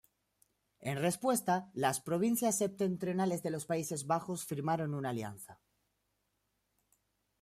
En respuesta, las provincias septentrionales de los Países Bajos firmaron una alianza.